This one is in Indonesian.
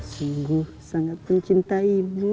sungguh sangat pun cintaimu